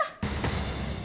ya udah yuk